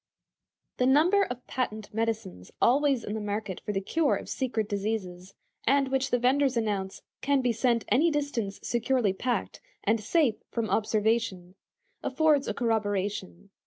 The number of patent medicines always in the market for the cure of secret diseases, and which the vendors announce "can be sent any distance securely packed, and safe from observation," affords a corroboration.